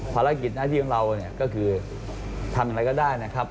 ภารกิจหน้าที่ของเราเนี่ยก็คือทำอะไรก็ได้นะครับ